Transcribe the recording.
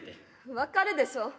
分かるでしょ？